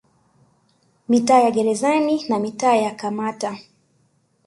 Mitaa ya Gerezani na mitaa ya Kamata